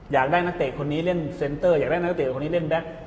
อยากได้นักเตะคนนี้เล่นเซ็นเตอร์อยากได้นักเตะคนนี้เล่นแก๊ก